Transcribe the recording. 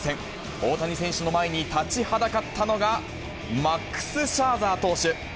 大谷選手の前に立ちはだかったのが、マックス・シャーザー投手。